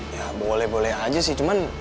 ya boleh boleh aja sih cuman